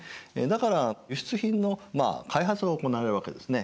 だから輸出品の開発が行われるわけですね。